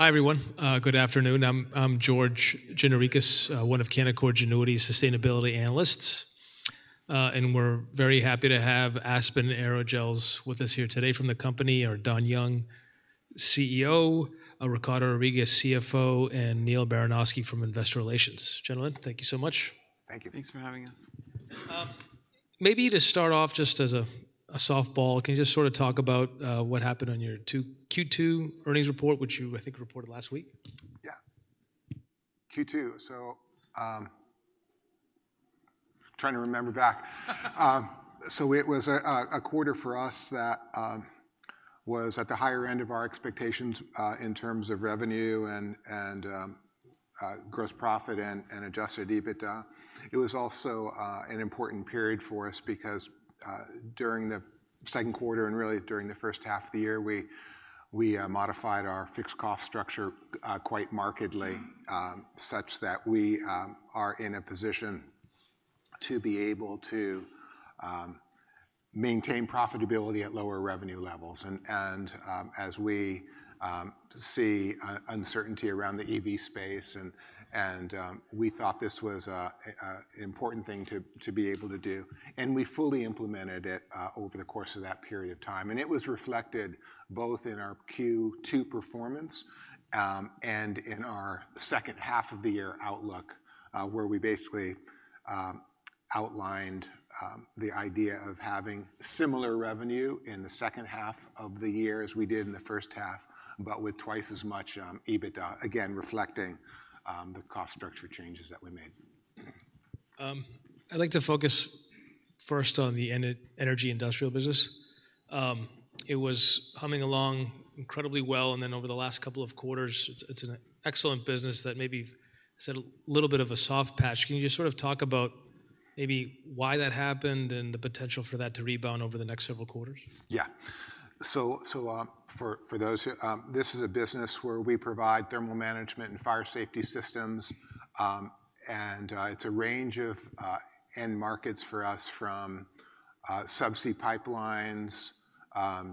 Hi everyone. Good afternoon. I'm George Gianarikas, one of Canaccord's Annuity Sustainability Analysts, and we're very happy to have Aspen Aerogels with us here today. From the company are Don Young, CEO, Ricardo Rodriguez, CFO, and Neal Baranosky from Investor Relations. Gentlemen, thank you so much. Thank you. Thanks for having us. Maybe to start off, just as a softball, can you just sort of talk about what happened on your Q2 earnings report, which you, I think, reported last week? Q2. I'm trying to remember back. It was a quarter for us that was at the higher end of our expectations in terms of revenue and gross profit and adjusted EBITDA. It was also an important period for us because during the second quarter and really during the first half of the year, we modified our fixed cost structure quite markedly, such that we are in a position to be able to maintain profitability at lower revenue levels. As we see uncertainty around the EV space, we thought this was an important thing to be able to do, and we fully implemented it over the course of that period of time. It was reflected both in our Q2 performance and in our second half of the year outlook, where we basically outlined the idea of having similar revenue in the second half of the year as we did in the first half, but with twice as much EBITDA, again reflecting the cost structure changes that we made. I'd like to focus first on the energy industrial business. It was humming along incredibly well, and then over the last couple of quarters, it's an excellent business that maybe has had a little bit of a soft patch. Can you just sort of talk about maybe why that happened and the potential for that to rebound over the next several quarters? Yeah. For those who, this is a business where we provide thermal management and fire safety systems, and it's a range of end markets for us, from subsea pipelines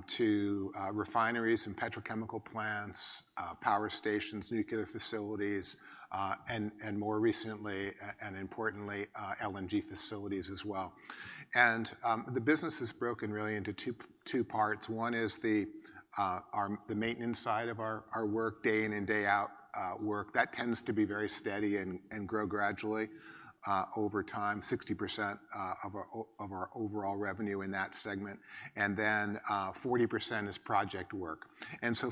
to refineries and petrochemical plants, power stations, nuclear facilities, and more recently and importantly, LNG facilities as well. The business is broken really into two parts. One is the maintenance side of our work, day in and day out work. That tends to be very steady and grow gradually over time. 60% of our overall revenue in that segment, and then 40% is project work.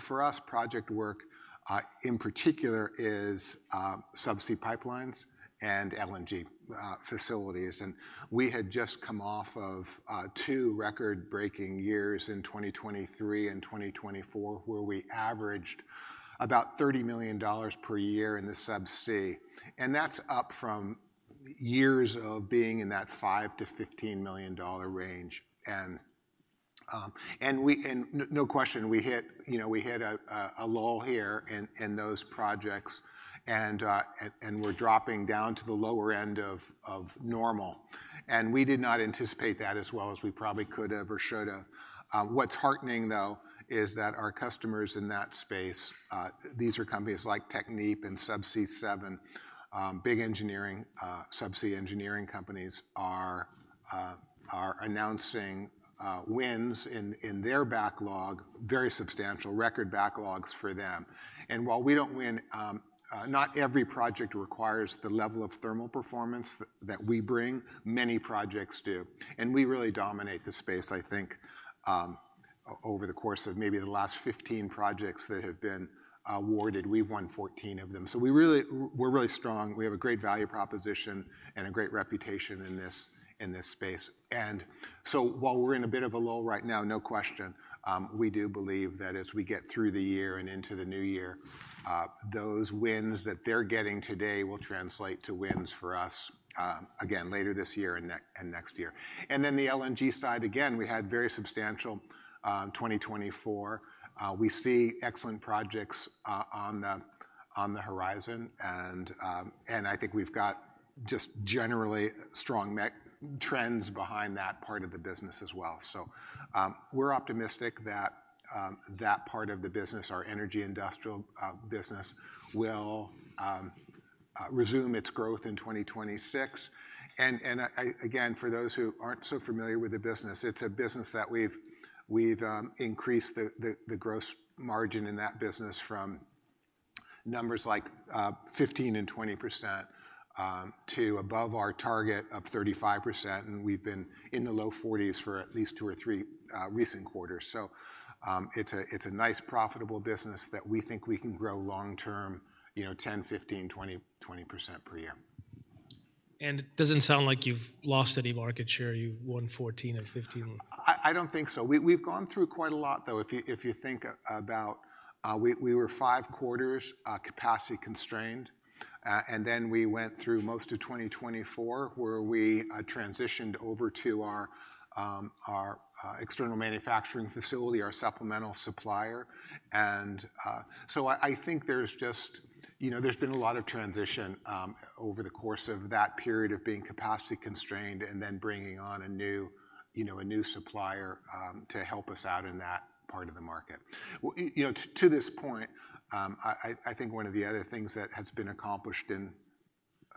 For us, project work in particular is subsea pipelines and LNG facilities. We had just come off of two record-breaking years in 2023 and 2024, where we averaged about $30 million per year in the Subsea. That's up from years of being in that $5 million-$15 million range. No question, we hit a lull here in those projects and we're dropping down to the lower end of normal. We did not anticipate that as well as we probably could have or should have. What's heartening, though, is that our customers in that space, these are companies like Technip and Subsea 7, big engineering subsea engineering companies, are announcing wins in their backlog, very substantial record backlogs for them. While we don't win, not every project requires the level of thermal performance that we bring. Many projects do. We really dominate the space, I think, over the course of maybe the last 15 projects that have been awarded. We've won 14 of them. We're really strong. We have a great value proposition and a great reputation in this space. While we're in a bit of a lull right now, no question, we do believe that as we get through the year and into the new year, those wins that they're getting today will translate to wins for us again later this year and next year. The LNG side, again, we had very substantial 2024. We see excellent projects on the horizon. I think we've got just generally strong trends behind that part of the business as well. We're optimistic that that part of the business, our energy industrial business, will resume its growth in 2026. For those who aren't so familiar with the business, it's a business that we've increased the gross margin in that business from numbers like 15% and 20% to above our target of 35%. We've been in the low 40% for at least two or three recent quarters. It's a nice profitable business that we think we can grow long term, you know, 10%, 15%, 20%, 20% per year. It doesn't sound like you've lost any market share. You won 14% and 15%? I don't think so. We've gone through quite a lot, though. If you think about it, we were five quarters capacity constrained. We went through most of 2024 where we transitioned over to our external manufacturing facility, our supplemental supplier. I think there's just been a lot of transition over the course of that period of being capacity constrained and then bringing on a new supplier to help us out in that part of the market. To this point, I think one of the other things that has been accomplished in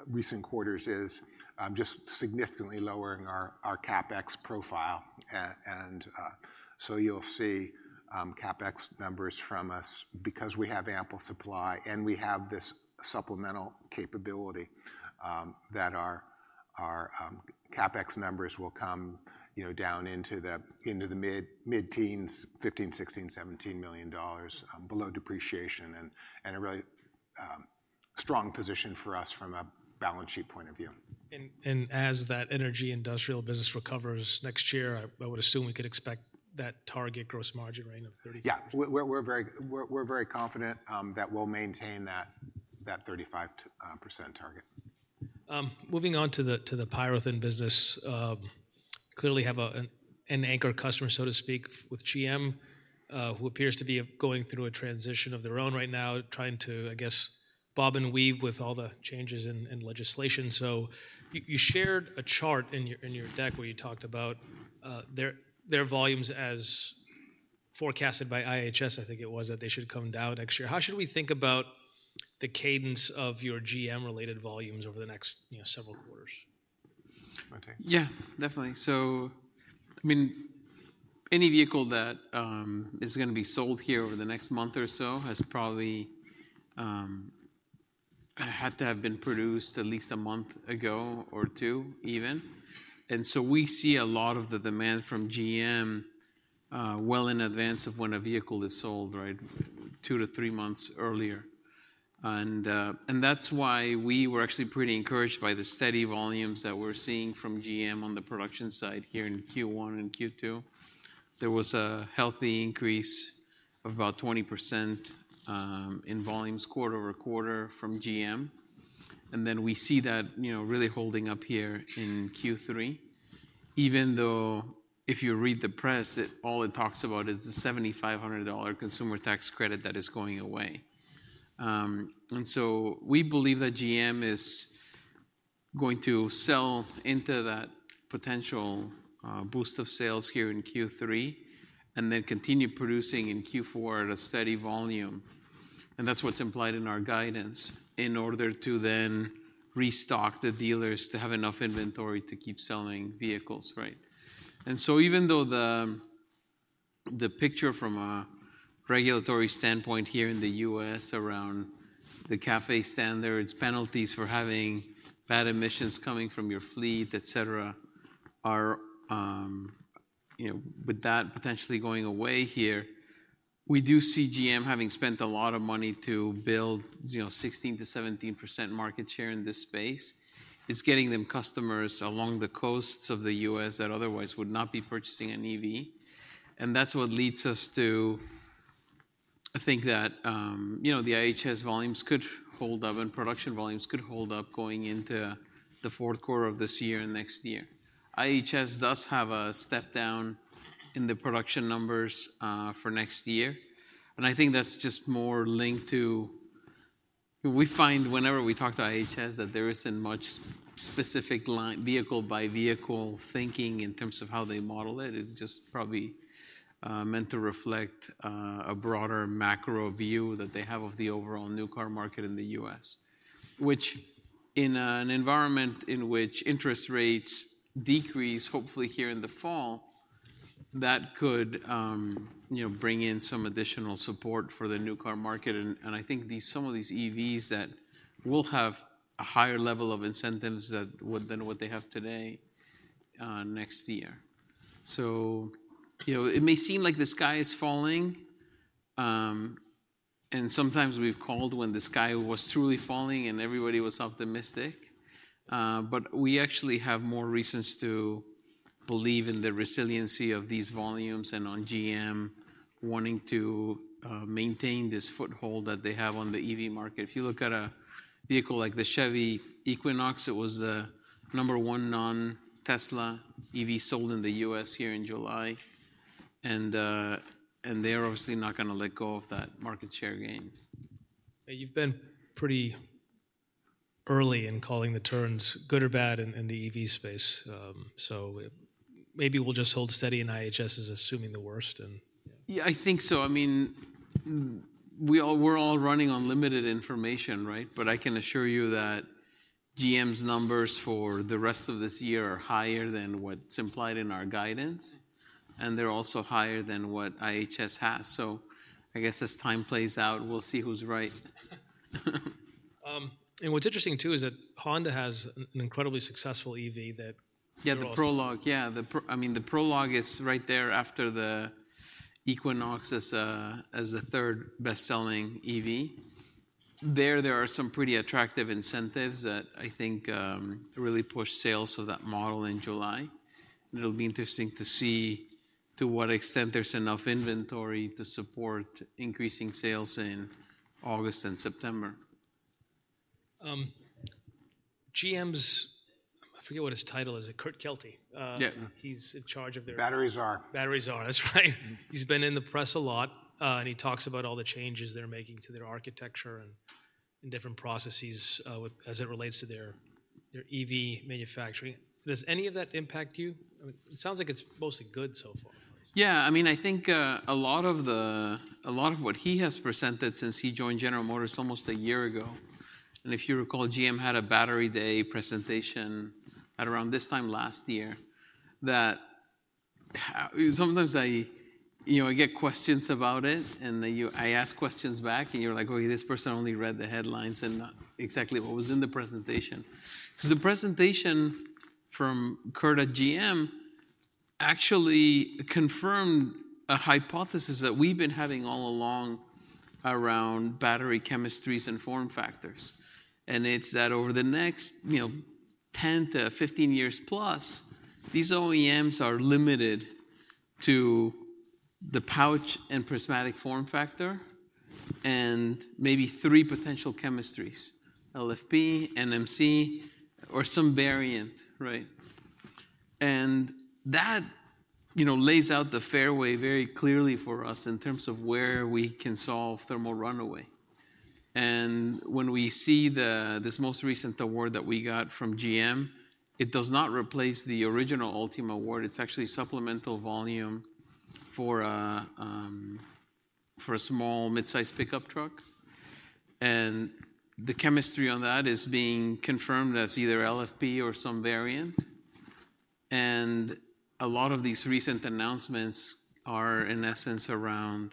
recent quarters is just significantly lowering our CapEx profile. You'll see CapEx numbers from us because we have ample supply and we have this supplemental capability, that our CapEx numbers will come down into the mid-teens, $15, $16, $17 million below depreciation and a really strong position for us from a balance sheet point of view. As that energy industrial business recovers next year, I would assume we could expect that target gross margin range of 35%. Yeah, we're very confident that we'll maintain that 35% target. Moving on to the PyroThin business, clearly have an anchor customer, so to speak, with General Motors, who appears to be going through a transition of their own right now, trying to, I guess, bob and weave with all the changes in legislation. You shared a chart in your deck where you talked about their volumes as forecasted by IHS. I think it was that they should come down next year. How should we think about the cadence of your General Motors-related volumes over the next several quarters? Yeah, definitely. Any vehicle that is going to be sold here over the next month or so has probably had to have been produced at least a month ago or two even. We see a lot of the demand from GM well in advance of when a vehicle is sold, right? Two to three months earlier. That is why we were actually pretty encouraged by the steady volumes that we're seeing from GM on the production side here in Q1 and Q2. There was a healthy increase of about 20% in volumes quarter-over-quarter from GM. We see that really holding up here in Q3, even though if you read the press, all it talks about is the $7,500 consumer tax credit that is going away. We believe that GM is going to sell into that potential boost of sales here in Q3 and then continue producing in Q4 at a steady volume. That is what's implied in our guidance in order to then restock the dealers to have enough inventory to keep selling vehicles, right? Even though the picture from a regulatory standpoint here in the U.S. around the CAFE standards, penalties for having bad emissions coming from your fleet, et cetera, with that potentially going away here, we do see GM having spent a lot of money to build 16%-017% market share in this space. It's getting them customers along the coasts of the U.S. that otherwise would not be purchasing an EV. That is what leads us to think that the IHS volumes could hold up and production volumes could hold up going into the fourth quarter of this year and next year. IHS does have a step down in the production numbers for next year. I think that's just more linked to, we find whenever we talk to IHS that there isn't much specific vehicle-by-vehicle thinking in terms of how they model it. It's just probably meant to reflect a broader macro view that they have of the overall new car market in the U.S., which in an environment in which interest rates decrease, hopefully here in the fall, that could bring in some additional support for the new car market. I think some of these EVs that will have a higher level of incentives than what they have today next year. It may seem like the sky is falling. Sometimes we've called when the sky was truly falling and everybody was optimistic. We actually have more reasons to believe in the resiliency of these volumes and on GM wanting to maintain this foothold that they have on the EV market. If you look at a vehicle like the Chevy Equinox, it was the number one non-Tesla EV sold in the U.S. here in July. They're obviously not going to let go of that market share gain. You've been pretty early in calling the turns, good or bad, in the EV space. Maybe we'll just hold steady, and IHS is assuming the worst. Yeah, I think so. I mean, we're all running on limited information, right? I can assure you that General Motors' numbers for the rest of this year are higher than what's implied in our guidance. They're also higher than what IHS has. I guess as time plays out, we'll see who's right. What's interesting too is that Honda has an incredibly successful EV that. Yeah, the Prologue. I mean, the Honda Prologue is right there after the Chevy Equinox as the third best-selling EV. There are some pretty attractive incentives that I think really push sales of that model in July. It'll be interesting to see to what extent there's enough inventory to support increasing sales in August and September. GM's, I forget what his title is, Kurt Kelty. Yeah. He's in charge of their. Batteries are. Batteries are, that's right. He's been in the press a lot. He talks about all the changes they're making to their architecture and different processes as it relates to their EV manufacturing. Does any of that impact you? It sounds like it's mostly good. Yeah, I mean, I think a lot of what he has presented since he joined General Motors almost a year ago. If you recall, GM had a battery day presentation at around this time last year that sometimes I get questions about it and I ask questions back and you're like, okay, this person only read the headlines and not exactly what was in the presentation. The presentation from Kurt at GM actually confirmed a hypothesis that we've been having all along around battery chemistries and form factors. It's that over the next 10 to 15 years plus, these OEMs are limited to the pouch and prismatic form factor and maybe three potential chemistries, LFP, NMC, or some variant, right? That lays out the fairway very clearly for us in terms of where we can solve thermal runaway. When we see this most recent award that we got from GM, it does not replace the original Ultima Award. It's actually supplemental volume for a small mid-size pickup truck. The chemistry on that is being confirmed as either LFP or some variant. A lot of these recent announcements are in essence around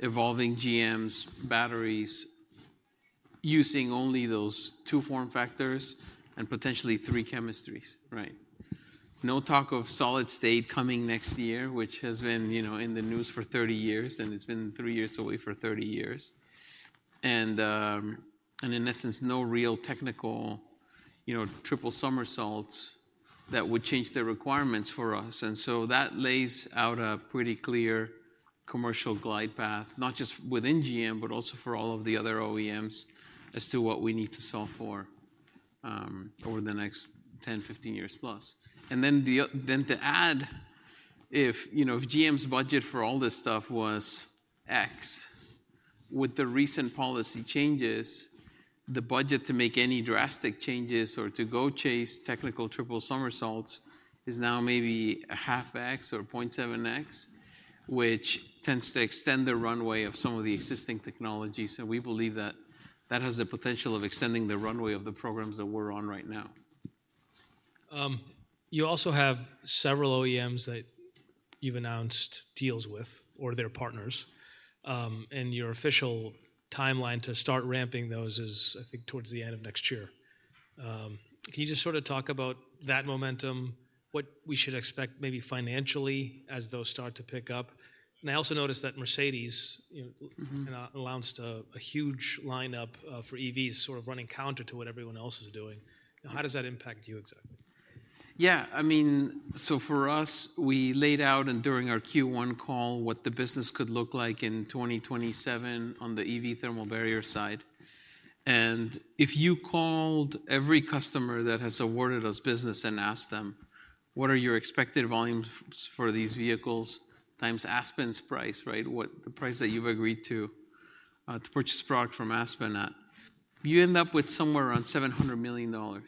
evolving GM's batteries using only those two form factors and potentially three chemistries, right? No talk of solid state coming next year, which has been in the news for 30 years, and it's been three years away for 30 years. In essence, no real technical triple somersaults that would change the requirements for us. That lays out a pretty clear commercial glide path, not just within GM, but also for all of the other OEMs as to what we need to solve for over the next 10, 15 years plus. To add, if GM's budget for all this stuff was X, with the recent policy changes, the budget to make any drastic changes or to go chase technical triple somersaults is now maybe a 0.5x or 0.7x, which tends to extend the runway of some of the existing technologies. We believe that that has the potential of extending the runway of the programs that we're on right now. You also have several OEMs that you've announced deals with or their partners. Your official timeline to start ramping those is, I think, towards the end of next year. Can you just sort of talk about that momentum, what we should expect maybe financially as those start to pick up? I also noticed that Mercedes-Benz announced a huge lineup for EVs, sort of running counter to what everyone else is doing. How does that impact you exactly? Yeah, I mean, for us, we laid out during our Q1 call what the business could look like in 2027 on the EV thermal barrier side. If you called every customer that has awarded us business and asked them, what are your expected volumes for these vehicles times Aspen's price, right? What the price that you've agreed to purchase product from Aspen at, you end up with somewhere around $700 million.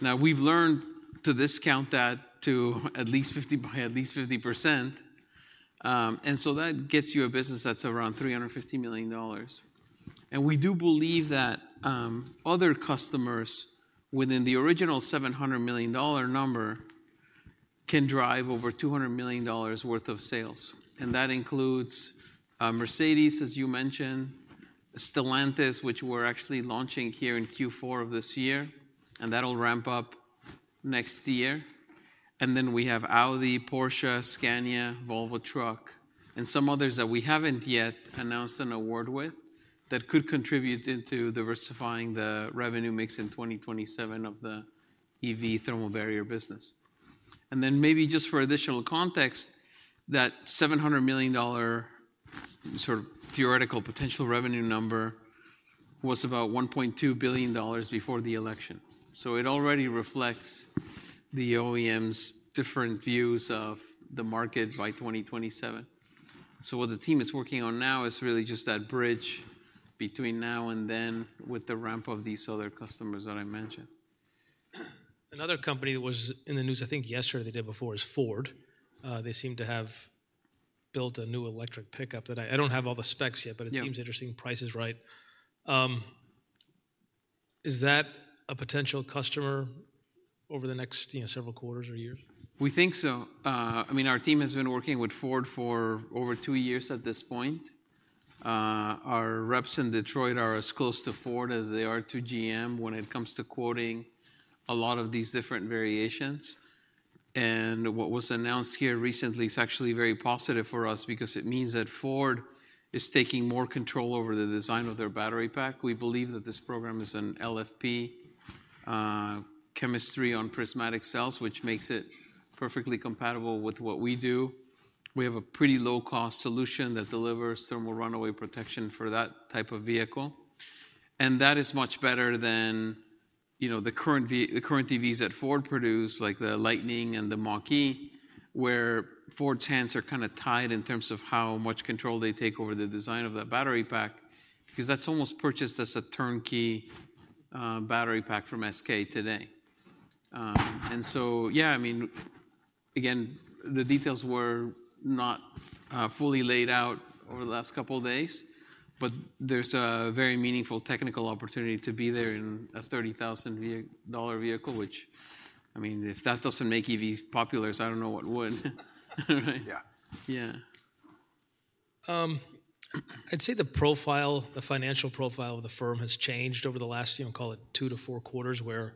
Now we've learned to discount that by at least 50%. That gets you a business that's around $350 million. We do believe that other customers within the original $700 million number can drive over $200 million worth of sales. That includes Mercedes, as you mentioned, Stellantis, which we're actually launching here in Q4 of this year. That'll ramp up next year. We have Audi, Porsche, Scania, Volvo Trucks, and some others that we haven't yet announced an award with that could contribute to diversifying the revenue mix in 2027 of the EV thermal barrier business. For additional context, that $700 million sort of theoretical potential revenue number was about $1.2 billion before the election. It already reflects the OEMs' different views of the market by 2027. What the team is working on now is really just that bridge between now and then with the ramp of these other customers that I mentioned. Another company that was in the news, I think yesterday or the day before, is Ford. They seem to have built a new electric pickup that I don't have all the specs yet, but it seems interesting, price is right. Is that a potential customer over the next several quarters or years? We think so. I mean, our team has been working with Ford for over two years at this point. Our reps in Detroit are as close to Ford as they are to GM when it comes to quoting a lot of these different variations. What was announced here recently is actually very positive for us because it means that Ford is taking more control over the design of their battery pack. We believe that this program is an LFP chemistry on prismatic cells, which makes it perfectly compatible with what we do. We have a pretty low-cost solution that delivers thermal runaway protection for that type of vehicle. That is much better than, you know, the current EVs that Ford produces, like the Lightning and the Mach-E, where Ford's hands are kind of tied in terms of how much control they take over the design of that battery pack, because that's almost purchased as a turnkey battery pack from SK today. The details were not fully laid out over the last couple of days, but there's a very meaningful technical opportunity to be there in a $30,000 vehicle, which, I mean, if that doesn't make EVs popular, I don't know what would. Yeah. Yeah. I'd say the profile, the financial profile of the firm has changed over the last, you know, call it two to four quarters, where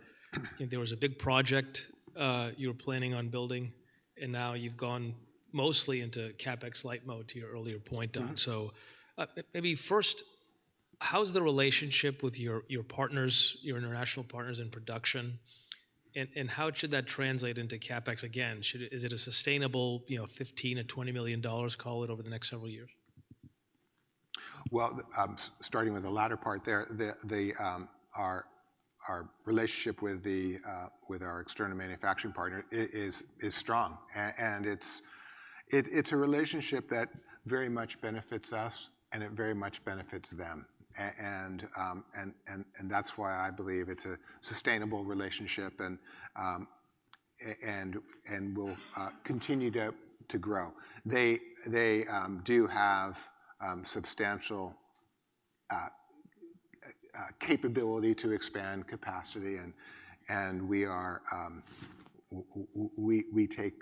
there was a big project you were planning on building, and now you've gone mostly into CapEx light mode, to your earlier point. Maybe first, how's the relationship with your partners, your international partners in production, and how should that translate into CapEx again? Is it a sustainable, you know, $15 million-$20 million, call it, over the next several years? Our relationship with our external manufacturing partner is strong. It's a relationship that very much benefits us, and it very much benefits them. That's why I believe it's a sustainable relationship and will continue to grow. They do have substantial capability to expand capacity, and we take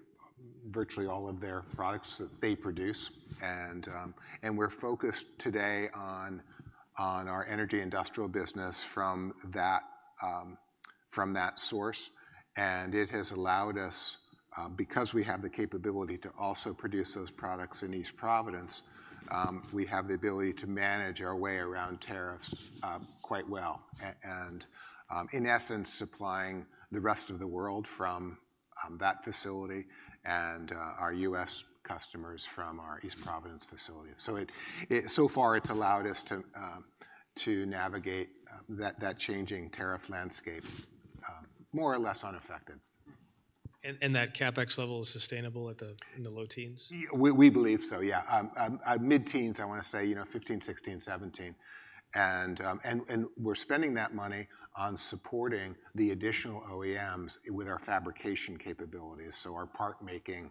virtually all of their products that they produce. We're focused today on our energy industrial business from that source. It has allowed us, because we have the capability to also produce those products in East Providence, we have the ability to manage our way around tariffs quite well. In essence, supplying the rest of the world from that facility and our U.S. customers from our East Providence facility. So far, it's allowed us to navigate that changing tariff landscape more or less unaffected. Is that CapEx level sustainable in the low teens? We believe so, yeah. Mid-teens, I want to say, you know, 15, 16, 17. We're spending that money on supporting the additional OEMs with our fabrication capabilities, our part-making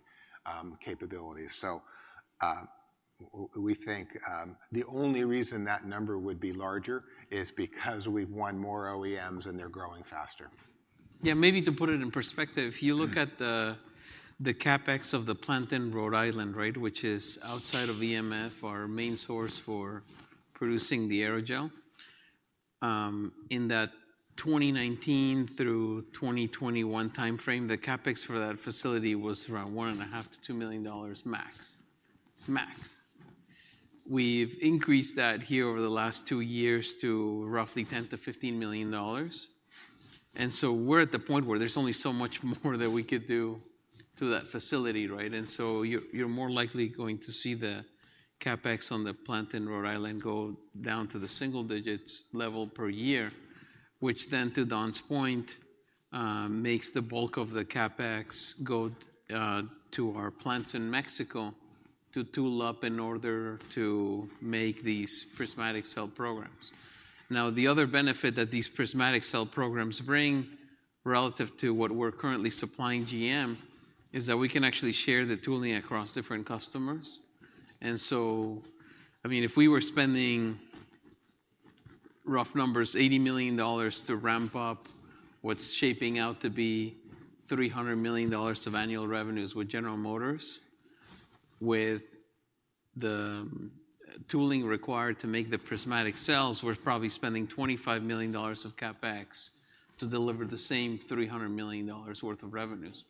capabilities. We think the only reason that number would be larger is because we've won more OEMs and they're growing faster. Yeah, maybe to put it in perspective, if you look at the CapEx of the plant in Rhode Island, right, which is outside of EMF, our main source for producing the aerogel, in that 2019 through 2021 timeframe, the CapEx for that facility was around $1.5 million-$2 million max. We've increased that here over the last two years to roughly $10 million-$15 million. We're at the point where there's only so much more that we could do to that facility, right? You're more likely going to see the CapEx on the plant in Rhode Island go down to the single digits level per year, which then, to Don's point, makes the bulk of the CapEx go to our plants in Mexico to tool up in order to make these prismatic cell programs. Now, the other benefit that these prismatic cell programs bring relative to what we're currently supplying GM is that we can actually share the tooling across different customers. If we were spending rough numbers, $80 million to ramp up what's shaping out to be $300 million of annual revenues with General Motors, with the tooling required to make the prismatic cells, we're probably spending $25 million of CapEx to deliver the same $300 million worth of revenues.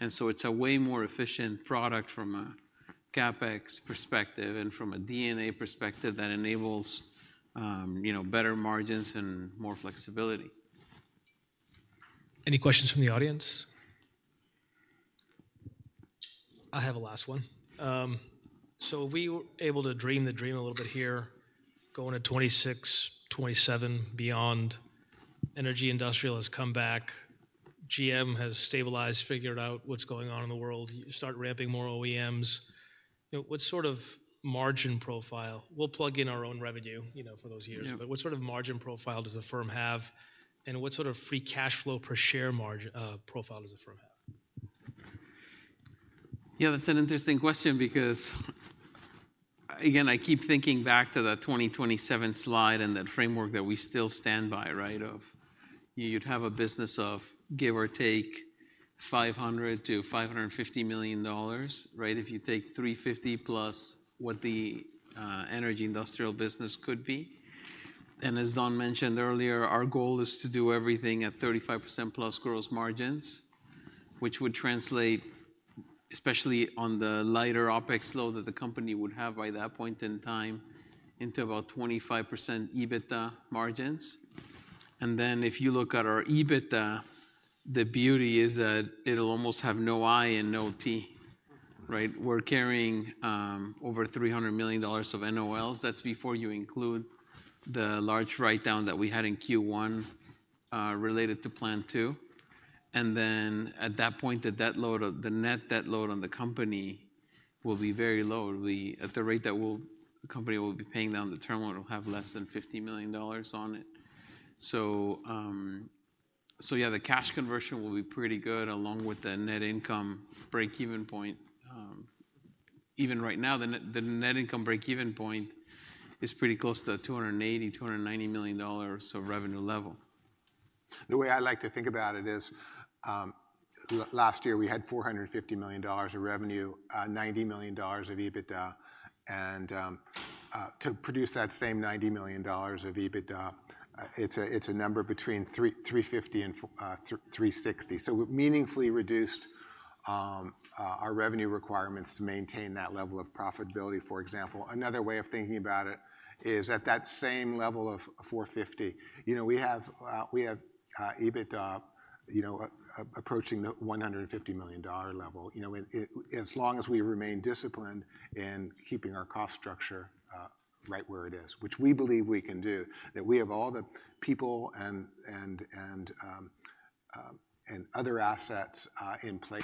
It's a way more efficient product from a CapEx perspective and from a DNA perspective that enables, you know, better margins and more flexibility. Any questions from the audience? I have a last one. We were able to dream the dream a little bit here, going to 2026, 2027 beyond. Energy industrial has come back. General Motors has stabilized, figured out what's going on in the world. You start ramping more OEMs. You know, what sort of margin profile? We'll plug in our own revenue, you know, for those years, but what sort of margin profile does the firm have? What sort of free cash flow per share profile does the firm have? Yeah, that's an interesting question because, again, I keep thinking back to the 2027 slide and the framework that we still stand by, right? You'd have a business of, give or take, $500 million-$550 million, right? If you take $350+what the energy industrial business could be. As Don mentioned earlier, our goal is to do everything at 35%+ gross margins, which would translate, especially on the lighter OpEx load that the company would have by that point in time, into about 25% EBITDA margins. If you look at our EBITDA, the beauty is that it'll almost have no I and no T, right? We're carrying over $300 million of net operating loss carryforwards. That's before you include the large write-down that we had in Q1 related to plant two. At that point, the net debt load on the company will be very low. At the rate that the company will be paying down the terminal, it'll have less than $50 million on it. The cash conversion will be pretty good along with the net income break-even point. Even right now, the net income break-even point is pretty close to $280 million, $290 million of revenue level. The way I like to think about it is last year we had $450 million of revenue, $90 million of EBITDA, and to produce that same $90 million of EBITDA, it's a number between $350 million and $360 million. We've meaningfully reduced our revenue requirements to maintain that level of profitability. For example, another way of thinking about it is at that same level of $450, we have EBITDA approaching the $150 million level. As long as we remain disciplined in keeping our cost structure right where it is, which we believe we can do, we have all the people and other assets in place.